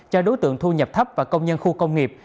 cho đối tượng thu nhập thấp và công nhân khu công nghiệp